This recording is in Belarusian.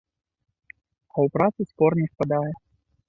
А ў працы спор не спадае.